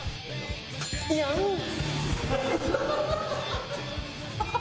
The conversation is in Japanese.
いやん。